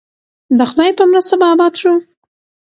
د خدای په مرسته به اباد شو؟